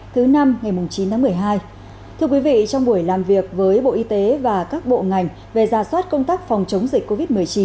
thưa quý vị trong buổi làm việc với bộ y tế và các bộ ngành về giả soát công tác phòng chống dịch covid một mươi chín